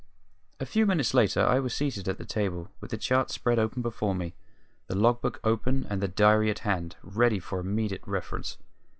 A few minutes later I was seated at the table, with the chart spread open before me, the log book open, and the diary at hand, ready for immediate reference.